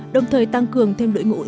đồng thời tăng cường thêm đội ngũ